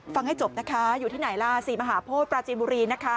ให้จบนะคะอยู่ที่ไหนล่ะศรีมหาโพธิปราจีนบุรีนะคะ